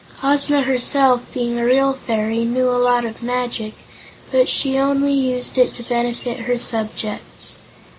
Ozma herself, being a real fairy, knew a lot of magic, but she only used it to benefit her subjects.